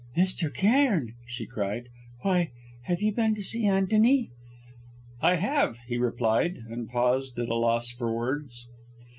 "Mr. Cairn!" she cried. "Why! have you been to see Antony?" "I have," he replied, and paused, at a loss for words.